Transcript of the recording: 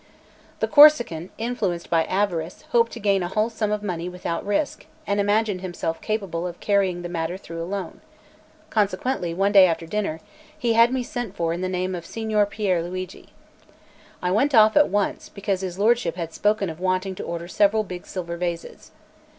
The Corsican, influenced by avarice, hoped to gain the whole sum of money without risk, and imagined himself capable of carrying the matter through alone. Consequently, one day after dinner, he had me sent for in the name of Signor Pier Luigi. I went off at once, because his lordship had spoken of wanting to order several big silver vases.